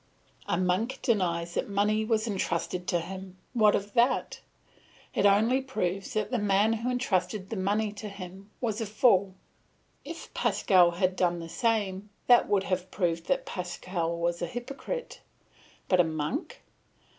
A monk denies that money was entrusted to him; what of that? It only proves that the man who entrusted the money to him was a fool. If Pascal had done the same, that would have proved that Pascal was a hypocrite. But a monk!